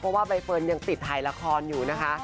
เพราะว่าใบเฟิร์นยังติดถ่ายละครอยู่นะคะ